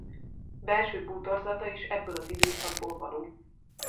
Belső bútorzata is ebből az időszakból való.